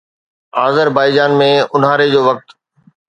Azerbaijan ۾ اونهاري جو وقت